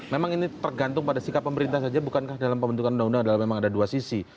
memang ini tergantung pada sikap pemerintah saja bukankah dalam pembentukan undang undang adalah memang ada dua sisi